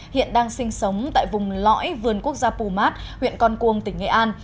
hiện đang sinh sống tại vùng lõi vườn quốc gia pumat huyện con cuồng tỉnh nghệ an